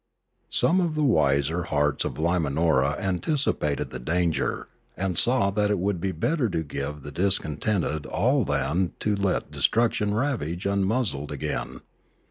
Some of the wiser hearts of Limanora anticipated the danger, and saw that it would be better to give the dis contented all than to let destruction ravage unmuzzled again.